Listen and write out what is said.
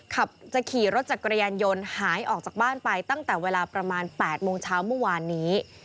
จะขี่รถจักรยานยนต์หายออกจากบ้านไปตั้งแต่เวลาประมาณ๘โมงเช้าเมื่อวานนี้